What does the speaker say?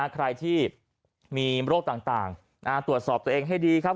ใครที่มีโรคต่างตรวจสอบตัวเองให้ดีครับ